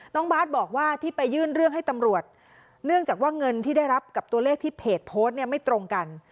น้องบาทบอกว่าที่ไปยื่นเรื่องให้ตำรวจเนื่องจากว่าเงินที่ได้รับกับตัวเลขที่เพจโพสต์เนี่ยไม่ตรงกัน